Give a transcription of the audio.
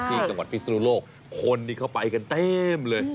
จังหวัดพิสรุโลคคนเขาไปกันเต้มเลย